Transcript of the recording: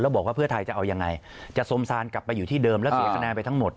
บอกว่าเพื่อไทยจะเอายังไงจะสมซานกลับไปอยู่ที่เดิมแล้วเสียคะแนนไปทั้งหมด